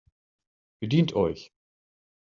Bedient euch!